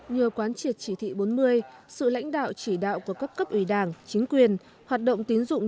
nhờ quán triệt chỉ thị bốn mươi sự lãnh đạo chỉ đạo của các cấp ủy đảng chính quyền hoạt động tín dụng